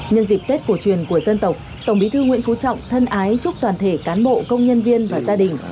nhân dịp tết cổ truyền của dân tộc tổng bí thư nguyễn phú trọng thân ái chúc toàn thể cán bộ công nhân viên và gia đình